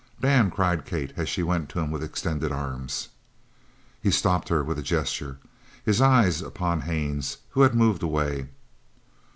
"Dan!" cried Kate, as she went to him with extended arms. He stopped her with a gesture, his eyes upon Haines, who had moved away.